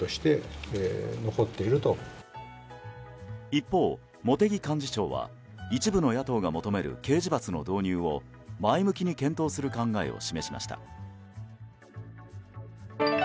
一方、茂木幹事長は一部の野党が求める刑事罰の導入を前向きに検討する考えを示しました。